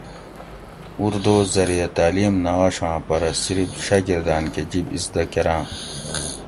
اردو زریعہ تعلیم نہ آشاں پرہ صِرف شاۤگرداۤن کۤہ جِب اِزدہ کۤراۤں